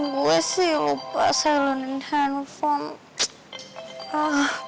gue sih lupa selalu handphone